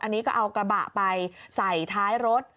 อันนี้ก็เอากระบะไปใส่ท้ายรถ